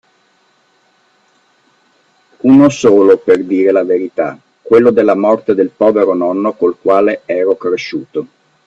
Uno solo, per dire la verità: quello de la morte del povero nonno, col quale ero cresciuto.